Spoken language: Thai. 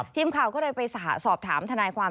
ทีมข่าวก็เลยไปสอบถามทนายความ